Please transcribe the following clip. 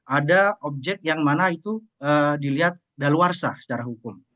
ada objek yang mana itu dilihat daluarsa secara hukum